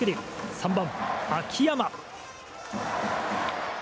３番、秋山。